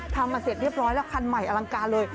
ทำมาเสร็จเรียบร้อยแล้วคันใหม่อลังการเลย